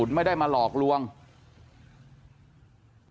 ใช่น้ำหนักก็รู้รู้